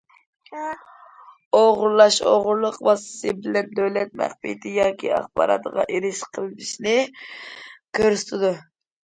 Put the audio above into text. ‹‹ ئوغرىلاش›› ئوغرىلىق ۋاسىتىسى بىلەن دۆلەت مەخپىيىتى ياكى ئاخباراتىغا ئېرىشىش قىلمىشىنى كۆرسىتىدۇ.